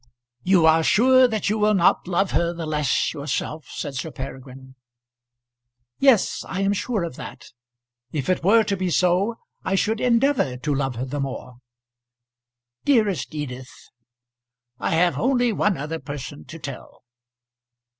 "You are sure that you will not love her the less yourself?" said Sir Peregrine. "Yes; I am sure of that. If it were to be so, I should endeavour to love her the more." "Dearest Edith. I have only one other person to tell."